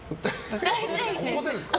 ここでですか？